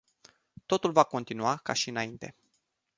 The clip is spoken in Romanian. Totul va continua ca și înainte.